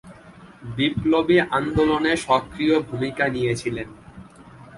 বিপ্লবী আন্দোলনে সক্রিয় ভূমিকা নিয়েছিলেন।